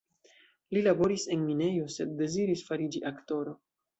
Li laboris en minejo, sed deziris fariĝi aktoro.